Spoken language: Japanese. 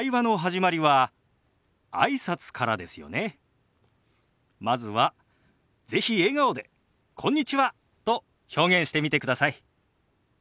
まずは是非笑顔で「こんにちは」と表現してみてください。